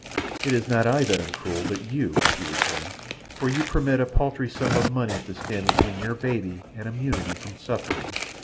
"It is not I that am cruel, but you," he returned, "for you permit a paltry sum of money to stand between your baby and immunity from suffering."